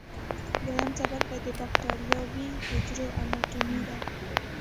دویم څپرکی د بکټریاوي حجرو اناټومي ده.